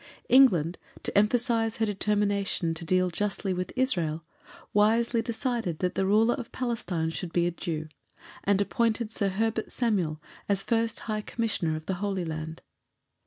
England, to emphasize her determination to deal justly with Israel, wisely decided that the ruler of Palestine should be a Jew, and appointed Sir Herbert Samuel as first High Commissioner of the Holy Land.